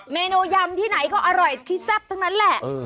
เมนูยำที่ไหนก็อร่อยที่แซ่บทั้งนั้นแหละ